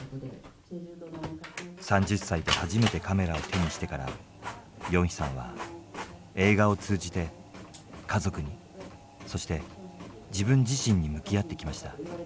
３０歳で初めてカメラを手にしてからヨンヒさんは映画を通じて家族にそして自分自身に向き合ってきました。